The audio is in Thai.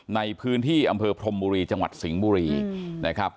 ในพื้นที่อำเภอพรมบุรีจังหวัดสิงห์บุรีนะครับ